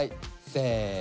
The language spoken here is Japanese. せの。